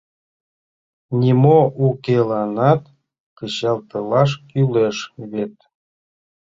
Нимо укеланат кычалтылаш кӱлеш вет.